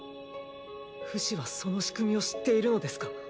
フシはその仕組みを知っているのですか？